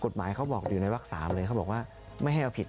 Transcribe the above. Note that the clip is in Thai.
แล้วก็บอกว่าไม่เอาผิด